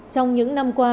trong những năm qua